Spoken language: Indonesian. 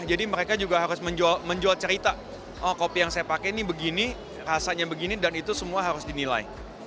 jadi mereka juga harus menjual cerita kopi yang saya pakai ini begini rasanya begini dan itu semua harus dinilai